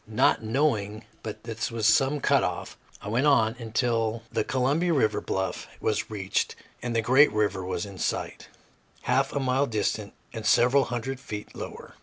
Not knowing but this was some cut off, I went on until the Columbia River bluff was reached and the great river was in sight, half a mile distant and several hundred feet lower.